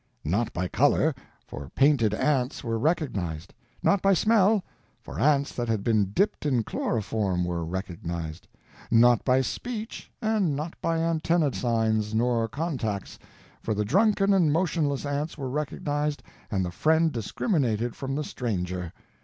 Not by color, for painted ants were recognized. Not by smell, for ants that had been dipped in chloroform were recognized. Not by speech and not by antennae signs nor contacts, for the drunken and motionless ants were recognized and the friend discriminated from the stranger.